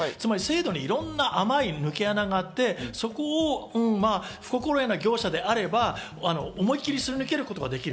制度にあまい抜け穴があって不心得な業者であれば、そこを思い切りすり抜けることができる。